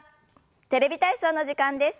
「テレビ体操」の時間です。